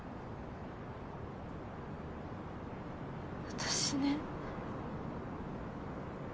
私ね。